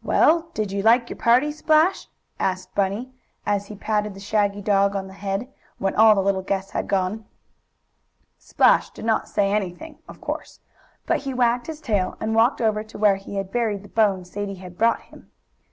"Well, did you like your party, Splash?" asked Bunny, as he patted the shaggy dog on the head, when all the little guests had gone. Splash did not say anything, of course. But he wagged his tail, and walked over to where he had buried the bone Sadie had brought him.